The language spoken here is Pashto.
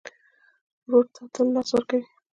ورور ته تل لاس ورکوې.